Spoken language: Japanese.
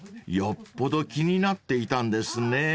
［よっぽど気になっていたんですね］